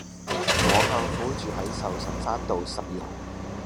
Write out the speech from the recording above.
我舅父住喺壽臣山道十二號